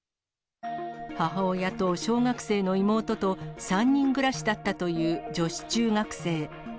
母親と小学生の妹と３人暮らしだったという女子中学生。